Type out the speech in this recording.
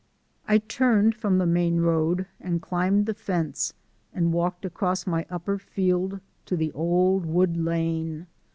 I turned from the main road, and climbed the fence and walked across my upper field to the old wood lane.